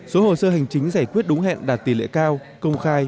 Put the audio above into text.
số hồ sơ hành chính giải quyết đúng hẹn đạt tỷ lệ cao công khai